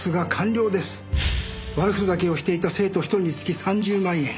悪ふざけをしていた生徒一人につき３０万円。